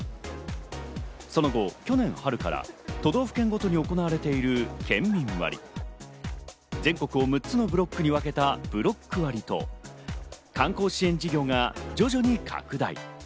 その後、去年春から都道府県ごとに行われている県民割、全国を６つのブロックに分けたブロック割と、観光支援事業が徐々に拡大。